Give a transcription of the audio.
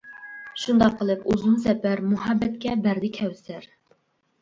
شۇنداق قىلىپ ئۇزۇن سەپەر، مۇھەببەتكە بەردى كەۋسەر.